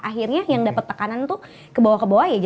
akhirnya yang dapet tekanan tuh ke bawah kebawah ya